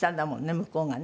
向こうがね。